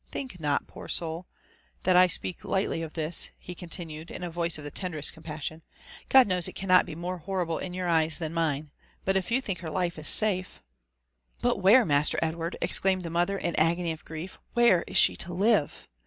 Think not, poor soul ! that I speak lightly of this," he continued, in a voice of the tenderest compassion ; ''God knows it cannot be more horrible in your eyes than in mine; but if you think her life is safe— —" "But where, Master Edward," exclaimed the mother in agony of grief, — "where is she to live?